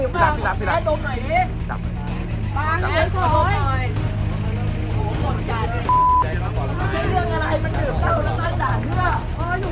ปล่อยขอเนื้อมากกว่าช่างเนี้ย